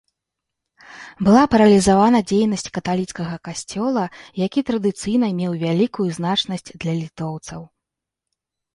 Была паралізавана дзейнасць каталіцкага касцёла, які традыцыйна меў вялікую значнасць для літоўцаў.